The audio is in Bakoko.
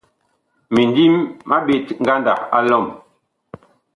Mindim ma ɓet ngandag a lɔm.